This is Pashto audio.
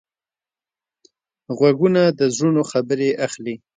غوږونه د زړونو خبرې اخلي